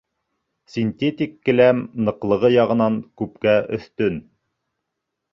Синтетик келәм ныҡлығы яғынан күпкә өҫтөн.